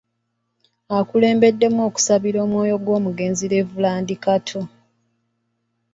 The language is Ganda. Akulembeddemu okusabira omwoyo gw'omugenzi ye Reverand Kato